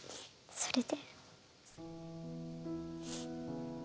それで？